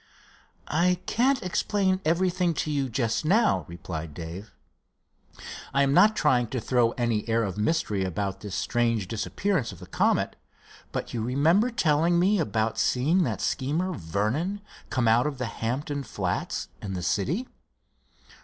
"I can't explain everything to you just now," replied Dave. "I am not trying to throw any air of mystery about this strange disappearance of the Comet, but you remember telling me about seeing that schemer, Vernon, come out of the Hampton Flats in the city?"